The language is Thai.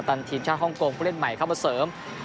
ทีมชาติฮ่องกงผู้เล่นใหม่เข้ามาเสริม